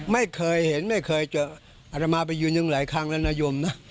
ไม่เคยเห็นไม่เคยเจออัตมาไปยืนยังหลายครั้งแล้วนะยมนะ